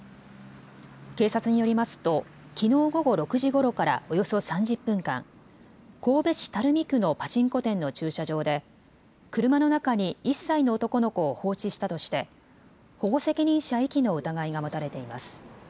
警察によりますときのう午後６時ごろからおよそ３０分間、神戸市垂水区のパチンコ店の駐車場で車の中に１歳の男の子を放置したとして保護責任者遺棄の疑いが持たれています。